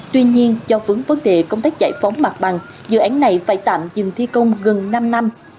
tuy nhiên do vướng vấn đề công tác giải phóng mặt bằng dự án này phải tạm dừng thi công gần năm năm